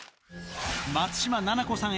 松嶋菜々子さん